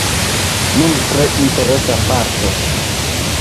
Nun tre interesa parto.